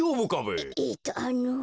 ええっとあの。